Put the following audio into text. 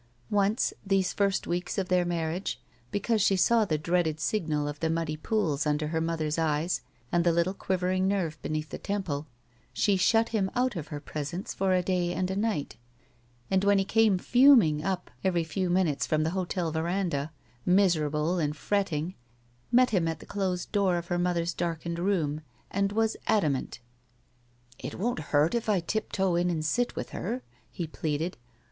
Once, these first weeks of their marriage, be cause she saw the dreaded signal of the muddy pools imder her mother's eyes and the Uttle quivering nerve beneath the temple, she shut him out of her presence for a day and a night, and when he came fuming up every few minutes from the hotel veranda, miserable and fretting, met him at the closed door of her mother's darkened room and was adamant. *'It won't hurt if I tiptoe in and sit with her," he pleaded.